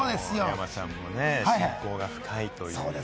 山ちゃんも親交が深いという。